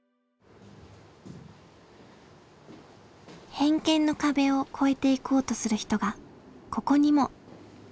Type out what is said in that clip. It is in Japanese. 偏見の壁を超えていこうとする人がここにも。